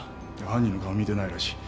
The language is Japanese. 犯人の顔見てないらしい。